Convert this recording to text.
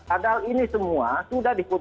padahal ini semua sudah diputus